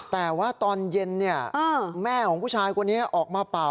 แต่ว่าตอนเย็นแม่ของผู้ชายคนนี้ออกมาเป่า